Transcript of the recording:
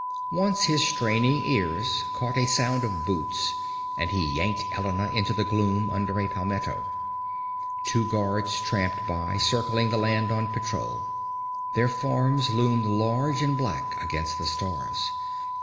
Once his straining ears caught a sound of boots and he yanked Elena into the gloom under a palmetto. Two guards tramped by, circling the land on patrol. Their forms loomed huge and black against the stars.